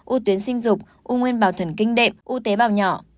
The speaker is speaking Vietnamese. ưu tuyến sinh dục u nguyên bào thần kinh đệm u tế bào nhỏ